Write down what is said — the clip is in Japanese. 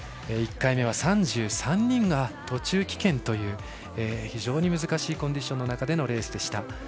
１回目は３３人が途中棄権という非常に難しいコンディションの中でのレースでした。